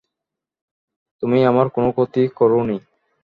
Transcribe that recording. তুমি আমার কোনো ক্ষতি করোনি।